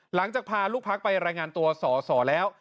หลังจากพาลูกพักไปรายงานตัวสอสอแล้ว